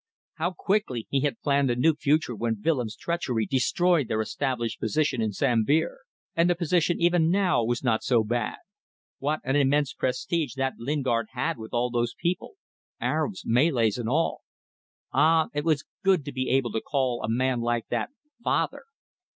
How quickly he had planned a new future when Willems' treachery destroyed their established position in Sambir! And the position even now was not so bad. What an immense prestige that Lingard had with all those people Arabs, Malays and all. Ah, it was good to be able to call a man like that father.